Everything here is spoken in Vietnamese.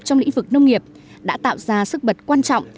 trong lĩnh vực nông nghiệp đã tạo ra sức bật quan trọng